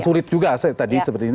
sulit juga tadi seperti ini